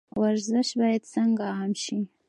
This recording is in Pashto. ورزش باید څنګه عام شي؟